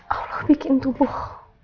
allah bikin tubuh